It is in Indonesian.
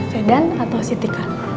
sedan atau citycar